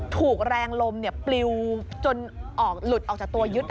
ถูกแรงลมปลิวจนออกหลุดออกจากตัวยึด